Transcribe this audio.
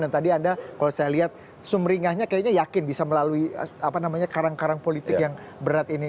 dan tadi anda kalau saya lihat sumringahnya kayaknya yakin bisa melalui karang karang politik yang berat ini